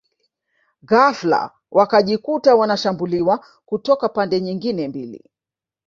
Ghafla wakajikuta wanashambuliwa kutoka pande nyingine mbili